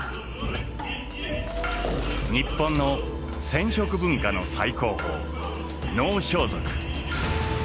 日本の染織文化の最高峰能装束。